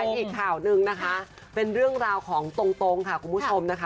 อีกข่าวหนึ่งนะคะเป็นเรื่องราวของตรงค่ะคุณผู้ชมนะคะ